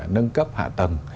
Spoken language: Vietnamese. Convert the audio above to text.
nâng cấp hạ tầng